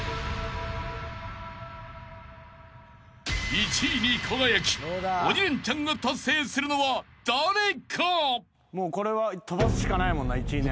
［１位に輝き鬼レンチャンを達成するのは誰か？］